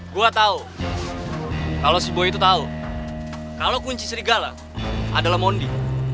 gue tau kalau si boy itu tau kalau kunci serigala adalah mondi